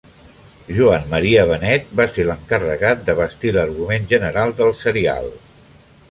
Joan Maria Benet va ser l'encarregat de bastir l'argument general del serial.